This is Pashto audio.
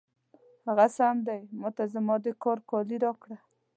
هغه سم دی، ما ته زما د کار کالي راکړه.